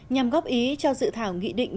nhằm góp ý cho dự thảo nghị định